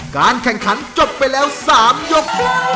การแข่งขันจบไปแล้ว๓ยก